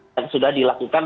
dan sudah dilakukan